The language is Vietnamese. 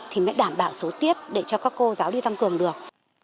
thì mới đảm bảo số tiếp để cho các cô giáo đi tăng cường được